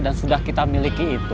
dan sudah kita miliki itu